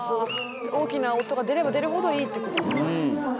大きな音が出れば出るほどいいってことですね。